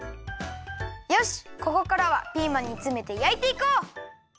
よしここからはピーマンにつめてやいていこう！